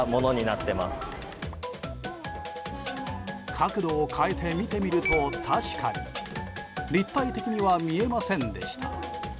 角度を変えて見てみると確かに立体的には見えませんでした。